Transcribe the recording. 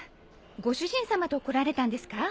ご主人さまと来られたんですか？